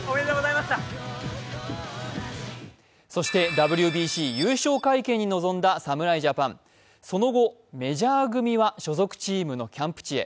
ＷＢＣ優勝会見に臨んだ侍ジャパン、その後メジャー組は所属チームのキャンプ地へ。